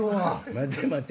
待て待て！